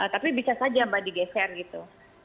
tapi bisa saja mbak digeser gitu